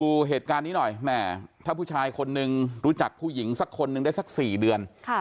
ดูเหตุการณ์นี้หน่อยแหมถ้าผู้ชายคนนึงรู้จักผู้หญิงสักคนหนึ่งได้สัก๔เดือน